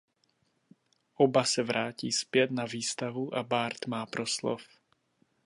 Oba se vrátí zpět na výstavu a Bart má proslov.